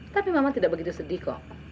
tapi memang tidak begitu sedih kok